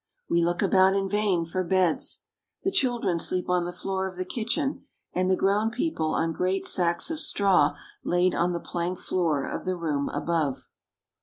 We look about in vain for beds. The children sleep on the floor of the kitchen, and the grown people on great sacks of straw laid on the plank floor of the room above.